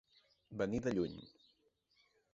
Venir de lluny.